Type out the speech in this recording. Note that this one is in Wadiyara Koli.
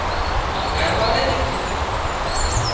هانَ گھر واۯي نين ڪيڌون